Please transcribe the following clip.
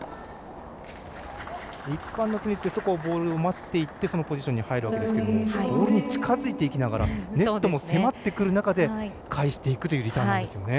一般のテニスですとボールを待ってそのポジションに入るわけですがボールに近づいていきながらネットも迫ってくる中で返していくリターンなんですね。